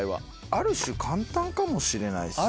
ある種簡単かもしれないですね。